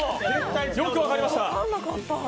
よく分かりました。